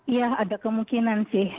ya ada kemungkinan sih